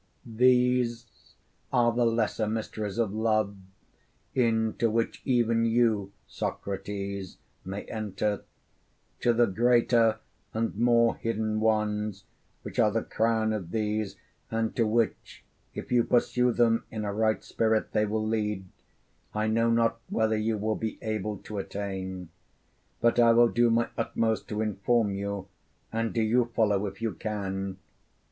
'These are the lesser mysteries of love, into which even you, Socrates, may enter; to the greater and more hidden ones which are the crown of these, and to which, if you pursue them in a right spirit, they will lead, I know not whether you will be able to attain. But I will do my utmost to inform you, and do you follow if you can.